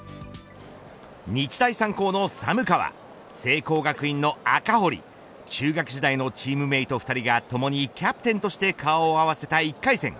日大三高の寒川聖光学院の赤堀中学時代のチームメート２人がともにキャプテンとして顔を合わせた１回戦。